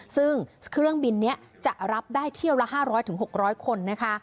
ซึ่งเครื่องบินนี้จะรับได้เที่ยวละ๕๐๐๖๐๐คนนะคะ